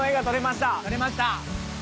撮れました。